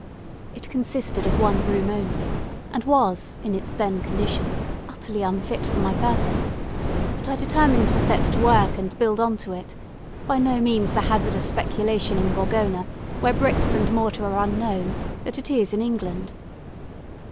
It consisted of one room only, and was, in its then condition, utterly unfit for my purpose; but I determined to set to work and build on to it by no means the hazardous speculation in Gorgona, where bricks and mortar are unknown, that it is in England.